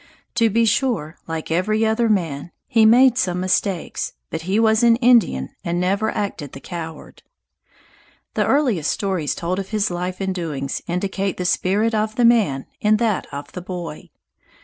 To be sure, like every other man, he made some mistakes, but he was an Indian and never acted the coward. The earliest stories told of his life and doings indicate the spirit of the man in that of the boy.